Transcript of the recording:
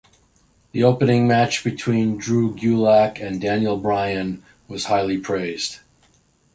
The opening match between Drew Gulak and Daniel Bryan was highly praised.